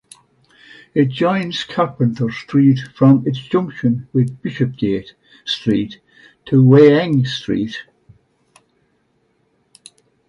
It joins Carpenter Street from its junction with Bishopsgate Street to Wayang Street.